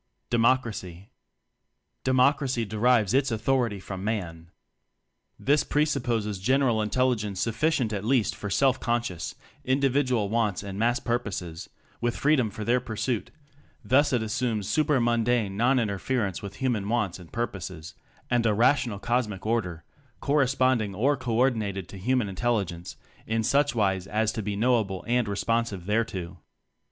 Democracy. Democracy derives its authority from Man. This pre supposes general intelligence sufficient at least for self conscious Individual wants and Mass purposes, with freedom for their pur suit; thus it assumes super mundane non interference with human wants and purposes, and a rational Cosmic Order corresponding or co ordinated to human intelligence in suchwise as to be knowable and responsive there to.